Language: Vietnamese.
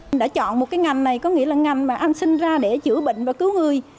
mình đã chọn một cái ngành này có nghĩa là ngành mà anh sinh ra để chữa bệnh và cứu người